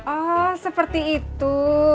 oh seperti itu